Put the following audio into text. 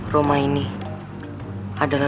rumah ini ada dua